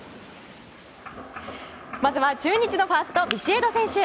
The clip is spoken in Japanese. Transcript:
まずは中日のファーストビシエド選手。